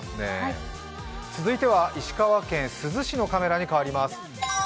続いては石川県珠洲市のカメラに変わります。